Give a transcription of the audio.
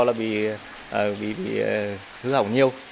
là bị hư hỏng nhiều